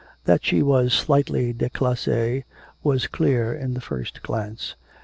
That she was slightly declassee was clear in the first glance.